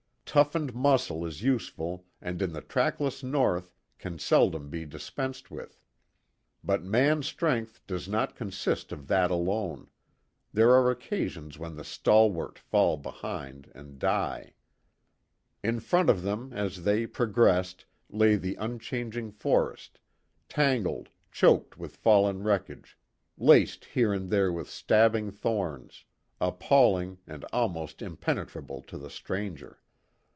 Toughened muscle is useful and in the trackless North can seldom be dispensed with; but man's strength does not consist of that alone; there are occasions when the stalwart fall behind and die. In front of them, as they progressed, lay the unchanging forest, tangled, choked with fallen wreckage, laced here and there with stabbing thorns; appalling and almost impenetrable to the stranger.